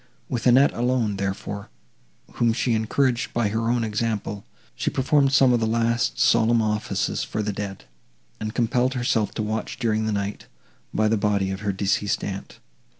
With Annette alone, therefore, whom she encouraged by her own example, she performed some of the last solemn offices for the dead, and compelled herself to watch during the night, by the body of her deceased aunt.